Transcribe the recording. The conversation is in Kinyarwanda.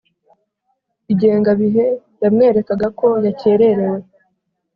Ingengabihe yamwerekaga ko yakererewe